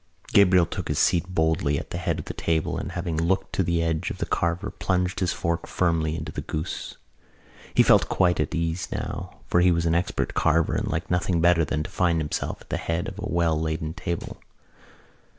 Gabriel took his seat boldly at the head of the table and, having looked to the edge of the carver, plunged his fork firmly into the goose. He felt quite at ease now for he was an expert carver and liked nothing better than to find himself at the head of a well laden table.